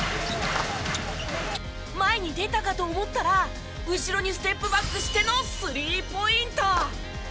前に出たかと思ったら後ろにステップバックしてのスリーポイント。